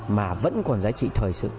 mà vẫn còn giá trị thời sự